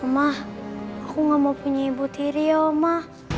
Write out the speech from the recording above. ma aku gak mau punya ibu tiri ya ma